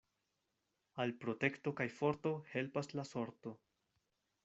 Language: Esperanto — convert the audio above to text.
Al protekto kaj forto helpas la sorto.